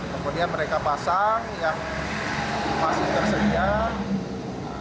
kemudian mereka pasang yang masih tersedia